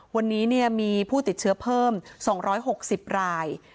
วันนี้มีผู้ติดเชื้อเพิ่ม๒๖๐ราย